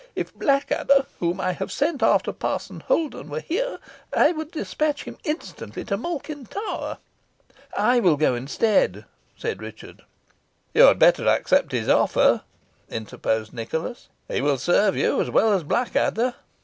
"If Blackadder, whom I have sent after Parson Holden, were here, I would despatch him instantly to Malkin Tower." "I will go instead," said Richard. "You had better accept his offer," interposed Nicholas; "he will serve you as well as Blackadder."